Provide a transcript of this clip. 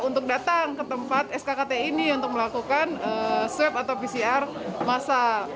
untuk datang ke tempat skkt ini untuk melakukan swab atau pcr masal